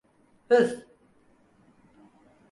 Hız!